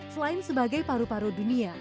selain sebagai paru paru dunia